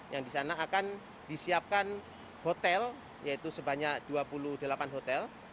yang di sana akan disiapkan hotel yaitu sebanyak dua puluh delapan hotel